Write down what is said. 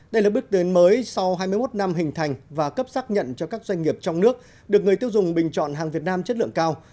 đây là bước tiến mới sau hai mươi một năm hình thành và cấp xác nhận cho các doanh nghiệp trong nước được người tiêu dùng bình chọn hàng việt nam chất lượng cao